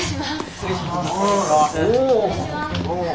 失礼します。